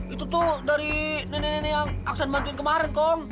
itu tuh dari nenek nenek yang aksan bantuin kemarin kong